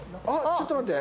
ちょっと待って。